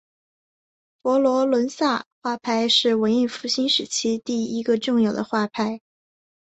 佛罗伦萨画派是文艺复兴时期第一个重要的画派。